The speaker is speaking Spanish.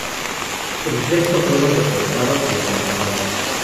El resto fueron deportados o encarcelados.